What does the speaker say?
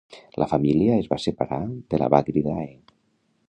La família es va separar de Bagridae.